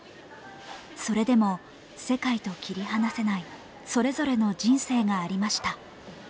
それでも、世界と切り離せないそれぞれの人生がありました。